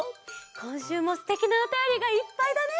こんしゅうもすてきなおたよりがいっぱいだね！